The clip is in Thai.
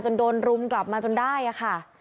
โดนรุมกลับมาจนได้ค่ะ